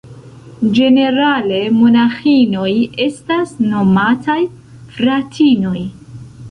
Ĝenerale monaĥinoj estas nomataj "fratinoj".